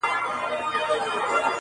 انعامونه درکومه په سل ګوني!!